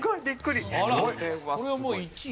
これはもう１位？